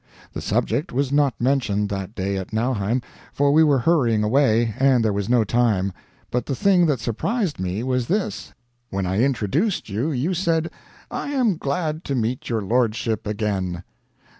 The subject was not mentioned that day at Nauheim, for we were hurrying away, and there was no time; but the thing that surprised me was this: when I introduced you, you said, 'I am glad to meet your lordship again.'